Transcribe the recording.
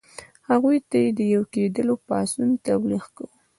هغوی ته یې د یو کېدلو او پاڅون تبلیغ کاوه.